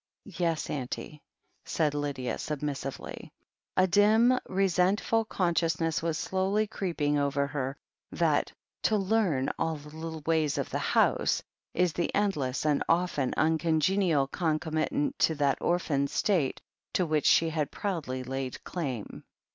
"Yes, auntie," said Lydia submissively. A dim, resentful consciousness was slowly creeping over her that "to learn all the little ways of the house" is the endless and often uncongenial concomitant to that orphaned state to which she had proudly laid claim.